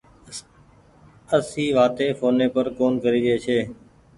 اسي وآتي ڦوني پر ڪون ڪريجي ڇي